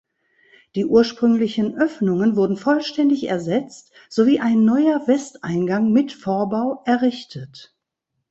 Die ursprünglichen Öffnungen wurden vollständig ersetzt sowie ein neuer Westeingang mit Vorbau errichtet.